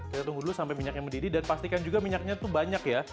kita tunggu dulu sampai minyaknya mendidih dan pastikan juga minyaknya tuh banyak ya